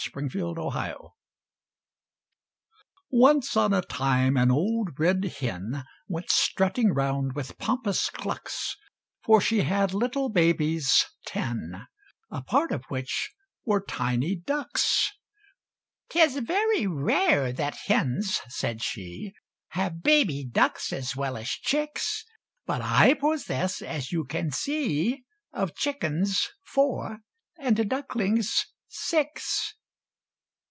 CONTENTMENT Once on a time an old red hen Went strutting round with pompous clucks, For she had little babies ten, A part of which were tiny ducks. "'Tis very rare that hens," said she, "Have baby ducks as well as chicks But I possess, as you can see, Of chickens four and ducklings six!"